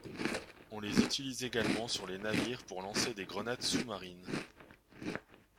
On les utilise également sur les navires pour lancer des grenades sous marines.